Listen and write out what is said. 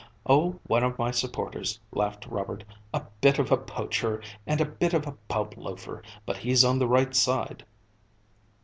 "Oh, one of my supporters," laughed Robert; "a bit of a poacher and a bit of a pub loafer, but he's on the right side."